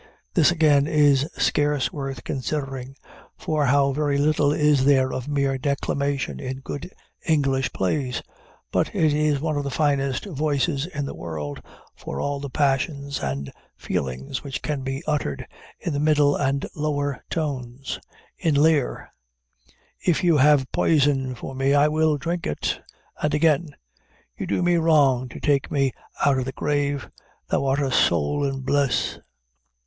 This, again, is scarce worth considering; for how very little is there of mere declamation in good English plays! But it is one of the finest voices in the world for all the passions and feelings which can be uttered in the middle and lower tones. In Lear, "If you have poison for me, I will drink it." And again, "You do me wrong to take me out o' the grave. Thou art a soul in bliss."